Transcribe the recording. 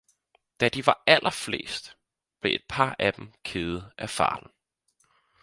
da de var allerflest, blev et par af dem kede af farten.